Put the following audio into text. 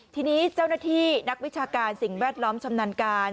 ทีนี้เจ้าหน้าที่นักวิชาการสิ่งแวดล้อมชำนาญการ